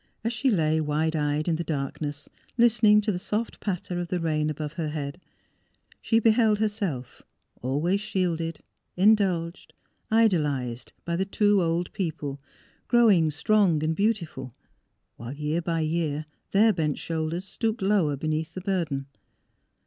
As she lay wide eyed in the darkness, listening to the soft patter of the rain above her head, she beheld herself, always shielded, indulged, idolized by the two old people, growing strong and beautiful, while year by year their bent shoulders stooped lower be neath the burden.